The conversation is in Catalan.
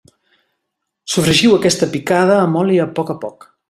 Sofregiu aquesta picada amb oli a poc a poc.